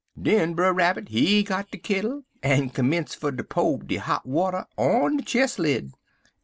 Den Brer Rabbit he got de kittle en commenced fer to po' de hot water on de chist lid.